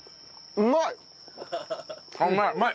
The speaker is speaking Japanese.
うまい！